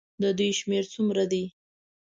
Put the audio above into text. د دوی شمېر څومره دی.